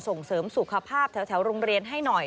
ส่งเสริมสุขภาพแถวโรงเรียนให้หน่อย